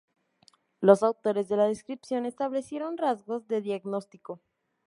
Los autores de la descripción establecieron rasgos de diagnóstico.